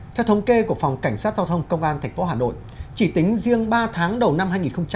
theo thống kê của phòng cảnh sát giao thông công an tp hà nội chỉ tính riêng ba tháng đầu năm hai nghìn hai mươi ba